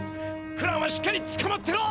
フランはしっかりつかまってろ！